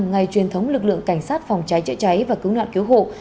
ngày truyền thống lực lượng cảnh sát phòng cháy chữa cháy và cứu nạn cứu hộ